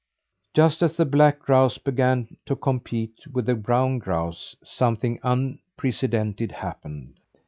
Just as the black grouse began to compete with the brown grouse, something unprecedented happened.